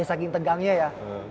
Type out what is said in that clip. ya saking tegangnya ya